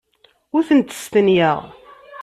Ur tent-stenyayeɣ.